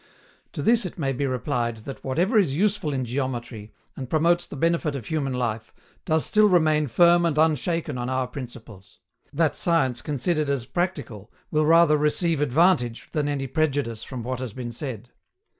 To this it may be replied that whatever is useful in geometry, and promotes the benefit of human life, does still remain firm and unshaken on our principles; that science considered as practical will rather receive advantage than any prejudice from what has been said.